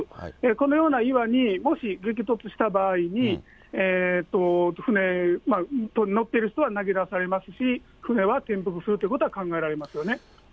このような岩に、もし激突した場合に、舟、乗ってる人は投げ出されますし、舟は転覆するということは考えられますよね。